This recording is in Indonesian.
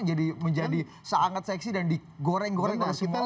jadi menjadi sangat seksi dan digoreng goreng sama semua orang